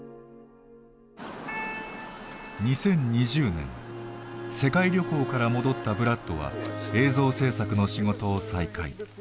２０２０年世界旅行から戻ったブラッドは映像制作の仕事を再開。